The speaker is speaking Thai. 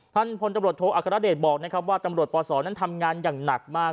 พลตำรวจโทอัครเดชบอกนะครับว่าตำรวจปศนั้นทำงานอย่างหนักมาก